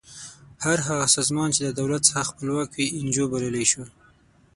هر هغه سازمان چې له دولت څخه خپلواک وي انجو بللی شو.